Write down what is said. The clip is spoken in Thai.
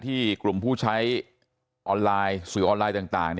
ที่กลุ่มผู้ใช้สื่อออนไลน์ต่าง